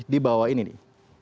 di bawah ini